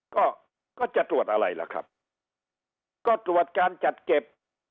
ก็ก็จะตรวจอะไรล่ะครับก็ตรวจการจัดเก็บ